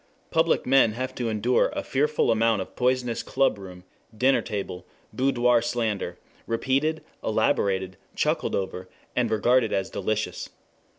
Public men have to endure a fearful amount of poisonous clubroom, dinner table, boudoir slander, repeated, elaborated, chuckled over, and regarded as delicious.